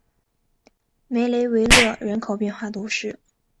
梅雷维勒人口变化图示